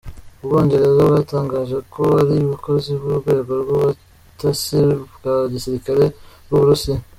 Ubwongereza bwatangaje ko ari abakozi b'urwego rw'ubutasi bwa gisirikare rw'Uburusiya.